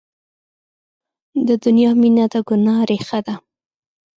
د دنیا مینه د ګناه ریښه ده.